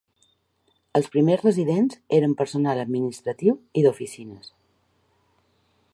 Els primers residents eren personal administratiu i d'oficines.